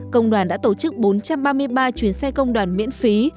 công đoàn đã tổ chức bốn trăm ba mươi ba chuyến xe công đoàn miễn phí